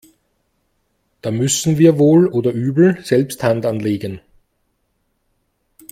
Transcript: Da müssen wir wohl oder übel selbst Hand anlegen.